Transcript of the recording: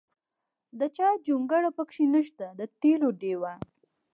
د چا جونګړه پکې نشته د تېلو ډیوه.